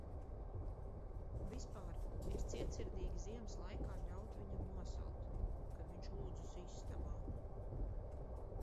Vispār - ir cietsirdīgi ziemas laikā ļaut viņam nosalt, kad viņš lūdzas istabā...